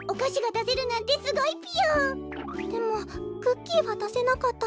でもクッキーはだせなかったわ。